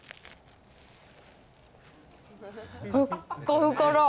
ふっかふかだ。